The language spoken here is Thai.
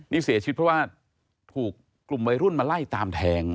นี่เสียชีวิตเพราะว่าถูกกลุ่มวัยรุ่นมาไล่ตามแทง